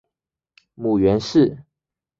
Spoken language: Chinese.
母袁氏。